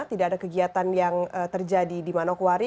tidak ada kegiatan yang terjadi di manokwari